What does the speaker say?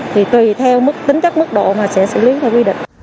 thì tùy theo mức tính chất mức độ mà sẽ xử lý theo quy định